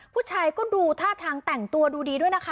ผู้ชายก็ดูท่าทางแต่งตัวดูดีด้วยนะคะ